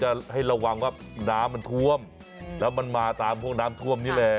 จะให้ระวังว่าน้ำมันท่วมแล้วมันมาตามพวกน้ำท่วมนี่แหละ